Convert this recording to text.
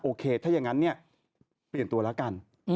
โอเคถ้าอย่างนั้นเนี่ยเปลี่ยนตัวแล้วกัน